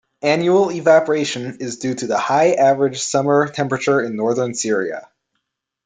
Annual evaporation is due to the high average summer temperature in northern Syria.